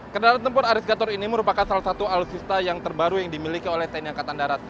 kendaraan tempur aris gator ini merupakan salah satu alutsista yang terbaru yang dimiliki oleh tni angkatan darat